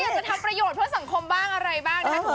เอาไปอย่างจะทำประโยชน์เพื่อสังคมบ้างอะไรบ้างนะฮะ